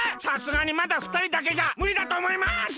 さすがにまだ二人だけじゃむりだとおもいます！